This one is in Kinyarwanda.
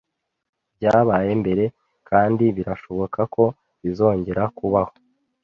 Byabaye mbere kandi birashoboka ko bizongera kubaho.